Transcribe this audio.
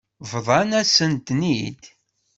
Bḍant-asen-ten-id.